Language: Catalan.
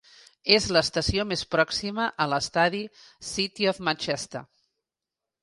És l'estació més pròxima a l'estadi City of Manchester.